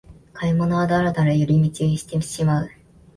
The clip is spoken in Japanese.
買い物はダラダラ寄り道してしまう